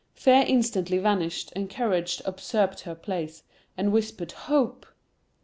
Fear instantly vanished, and Courage usurped her place, and whispered Hope!